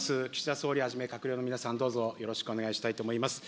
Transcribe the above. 総理はじめ、閣僚の皆さん、どうぞよろしくお願いしたいと思います。